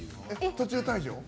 途中退場？